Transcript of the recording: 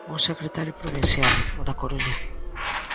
Un secretario provincial, o da Coruña.